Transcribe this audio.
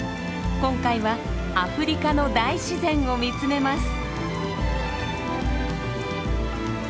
今回はアフリカの大自然を見つめます。